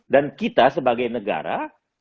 dan kita sebagai negara